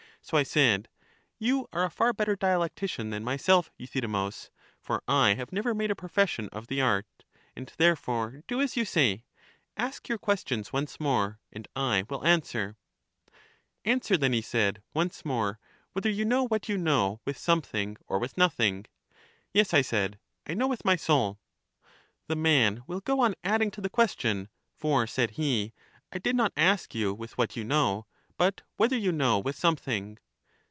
So I said: You are a far better dialectician than myself, Euthydemus, for I have EUTHYDEMUS 257 never made a profession of the art, and therefore do as you say; ask your questions once more, and I will answer. Answer then, he said, once more, whether you know what you know with something, or with nothing. Yes, I said ; I know with my soul. The man will go on adding to the question; for, said he, I did not ask you with what you know, but whether you know with something.